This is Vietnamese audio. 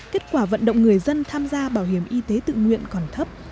kết quả vận động người dân tham gia bảo hiểm y tế tự nguyện còn thấp